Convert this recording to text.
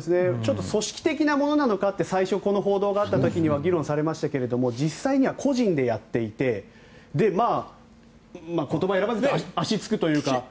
ちょっと組織的なものなのかって最初、この報道があった時には議論されましたけど実際には個人でやっていて言葉選ばずだと足がつくというか。